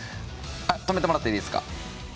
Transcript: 止めてもらっていいですか。